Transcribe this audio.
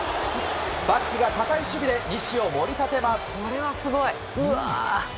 バックが堅い守備で西を盛り立てます。